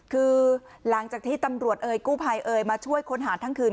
คือหลังจากที่ตำรวจเอ่ยกู้ภัยเอ่ยมาช่วยค้นหาทั้งคืน